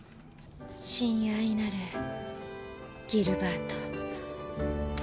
「親愛なるギルバート」。